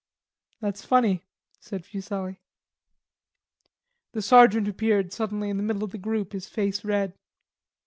"That's funny," said Fuselli. The sergeant appeared suddenly in the middle of the group, his face red.